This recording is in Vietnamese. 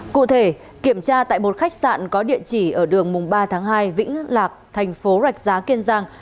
cụ thể kiểm tra tại một khách sạn có địa chỉ ở đường mùng ba tháng hai vĩnh lạc thành phố rạch giá kiên giang